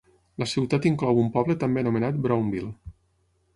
La ciutat inclou un poble també anomenat Brownville.